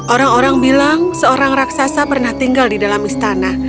orang orang bilang seorang raksasa pernah tinggal di dalam istana